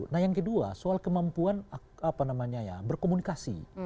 nah yang kedua soal kemampuan berkomunikasi